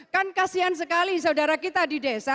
kan kasian sekali saudara kita di desa